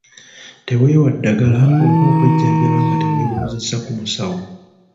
Teweewa ddagala oba okwejjanjaba nga teweebuuzizza ku musawo.